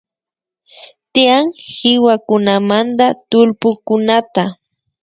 Tiyak kiwakunamanta tullpukunata